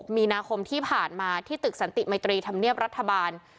มีนาคมที่ผ่านมาที่ตึกสันติมัยตรีธรรมเนียบรัฐบาล